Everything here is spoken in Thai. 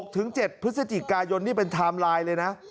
ถึง๗พฤศจิกายนนี่เป็นไทม์ไลน์เลยนะ